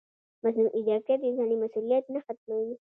مصنوعي ځیرکتیا د انسان مسؤلیت نه ختموي.